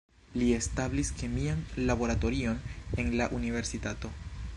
Li establis kemian laboratorion en la universitato.